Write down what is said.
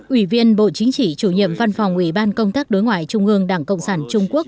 ủy viên bộ chính trị chủ nhiệm văn phòng ủy ban công tác đối ngoại trung ương đảng cộng sản trung quốc